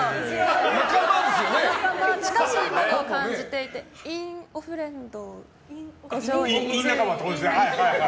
近しいものを感じていて院おフレンド。